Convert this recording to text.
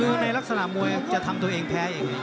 คือในลักษณะมวยจะทำตัวเองแพ้อย่างนี้